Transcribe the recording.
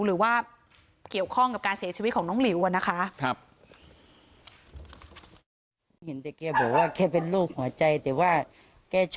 หรือว่าเกี่ยวข้องกับการเสียชีวิตของน้องหลิวนะคะ